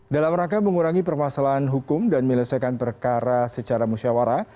dalam rangka mengurangi permasalahan hukum dan menyelesaikan perkara secara musyawara